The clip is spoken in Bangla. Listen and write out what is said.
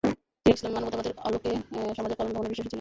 তিনি ইসলামি মানবতাবাদের আলোকে সমাজের কল্যাণ কামনায় বিশ্বাসী ছিলেন।